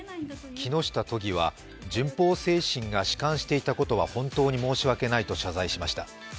木下都議は順法精神が弛緩していたことは本当に申し訳ないと謝罪しました。